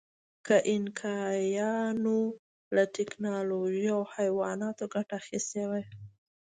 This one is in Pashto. که اینکایانو له ټکنالوژۍ او حیواناتو ګټه اخیستې وای.